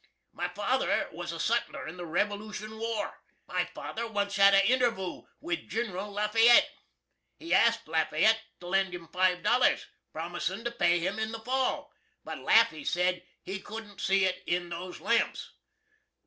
My father was a sutler in the Revolootion War. My father once had a intervoo with Gin'ral La Fayette. He asked La Fayette to lend him five dollars, promisin' to pay him in the Fall; but Lafy said "he couldn't see it in those lamps."